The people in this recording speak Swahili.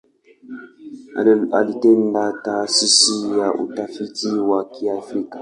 Aliunda Taasisi ya Utafiti wa Kiafrika.